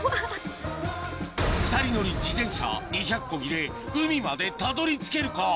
２人乗り自転車２００コギで海までたどり着けるか？